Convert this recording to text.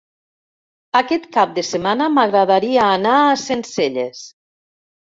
Aquest cap de setmana m'agradaria anar a Sencelles.